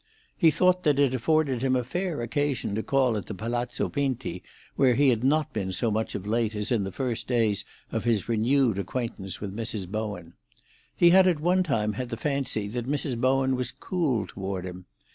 He thought that it afforded him a fair occasion to call at Palazzo Pinti, where he had not been so much of late as in the first days of his renewed acquaintance with Mrs. Bowen. He had at one time had the fancy that Mrs. Bowen was cool toward him.